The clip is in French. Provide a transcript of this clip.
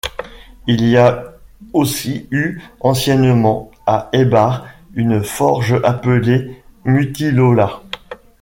Il y a aussi eu anciennement à Eibar une forge appelée Mutilola.